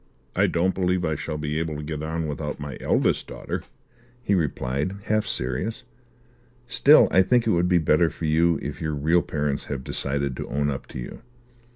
"I don't believe I shall be able to get on without my eldest daughter," he replied, half serious. "Still I think it would be better for you if your real parents have decided to own up to you.